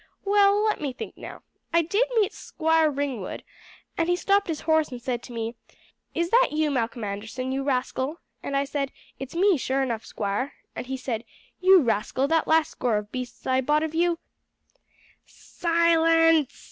Well, let me think now, I did meet Squire Ringwood, and he stopped his horse and said to me: 'Is that you, Malcolm Anderson, you rascal;' and I said, 'It's me, sure enough, squire;' and he said, 'You rascal, that last score of beasts I bought of you '" "Silence!"